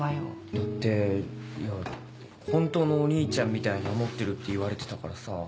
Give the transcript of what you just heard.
だっていや「本当のお兄ちゃんみたいに思ってる」って言われてたからさ。